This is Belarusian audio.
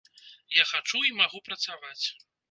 Я хачу і магу працаваць.